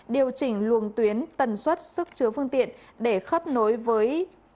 điều chỉnh luồng tuyến tần suất sức chứa phương tiện để khớp nối với